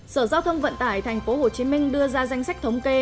sở giao thông vận tải tp hcm đưa ra danh sách thống kê